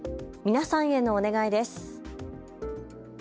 皆さんへのお願いです。